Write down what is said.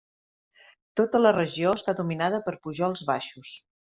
Tota la regió està dominada per pujols baixos.